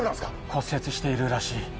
骨折しているらしい。